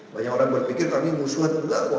banyak orang berpikir ini musuhan juga kok